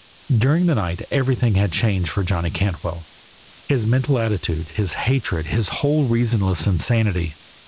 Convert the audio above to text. During the night everything had changed for Johnny Cantwell; his mental attitude, his hatred, his whole reasonless insanity.